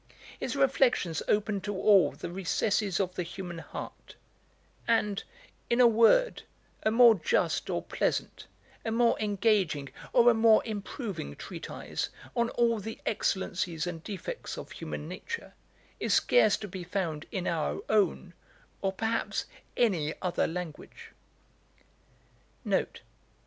His reflections open to all the recesses of the human heart; and, in a word, a more just or pleasant, a more engaging or a more improving treatise, on all the excellencies and defects of human nature, is scarce to be found in our own, or, perhaps, any other language.'